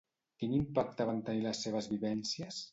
Quin impacte van tenir les seves vivències?